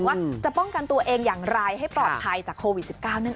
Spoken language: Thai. ว่าจะป้องกันตัวเองอย่างไรให้ปลอดภัยจากโควิด๑๙นั่นเอง